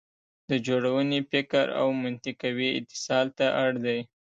د جوړونې فکر او منطقوي اتصال ته اړ دی.